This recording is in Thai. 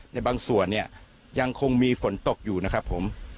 ในบางส่วนเนี่ยยังคงมีฝนตกอยู่นะครับผม